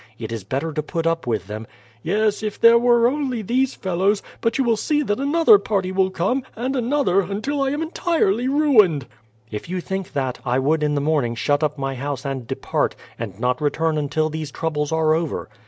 It is better to put up with them." "Yes, if there were only these fellows; but you will see that another party will come, and another, until I am entirely ruined." "If you think that, I would in the morning shut up my house and depart, and not return until these troubles are over."